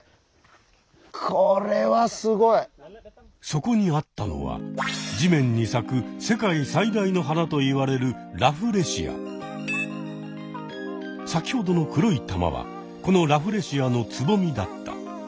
そこにあったのは地面に咲く世界最大の花といわれる先ほどの黒い玉はこのラフレシアのツボミだった。